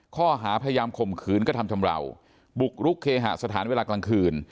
ข้อหาพยายามข่มขืนกระทำชำราวบุกรุกเคหสถานเวลากลางคืน